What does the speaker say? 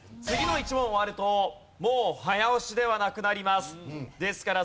次の１問終わるともう早押しではなくなります。